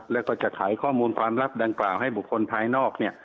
แล้วก็จะขายข้อมูลความลับดังกล่าวให้บุคคลภายนอก